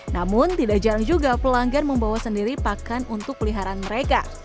namun tidak jarang juga pelanggan membawa sendiri pakan untuk peliharaan mereka